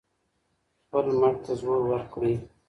خپل مټ ته زور ورکړئ.